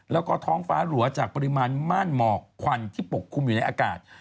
แล้วก็ท้องฟ้าหลัวจากปริมาณม่านหมอกควันที่ปกคลุมอยู่ในอากาศ